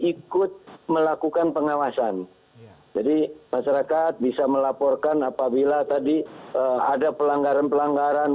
ikut melakukan pengawasan jadi masyarakat bisa melaporkan apabila tadi ada pelanggaran pelanggaran